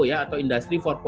atau industri empat